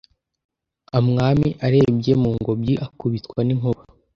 amwami arebye mungobyi akubitwa ninkuba